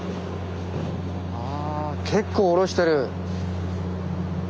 あ結構降ろしてる。